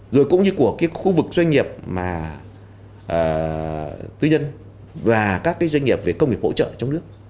rồi cũng như của khu vực doanh nghiệp tư nhân và các doanh nghiệp về công nghiệp hỗ trợ trong nước